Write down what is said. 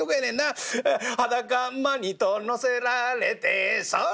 「裸馬にと乗せられてソレ」